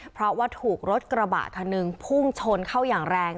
เพราะว่าถูกรถกระบะคันหนึ่งพุ่งชนเข้าอย่างแรง